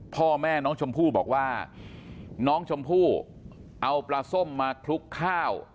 พ่อแม่น้องชมพู่บอกว่าน้องชมพู่เอาปลาส้มมาคลุกข้าว